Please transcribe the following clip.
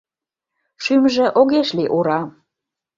Шӱмжӧ огеш лий ура.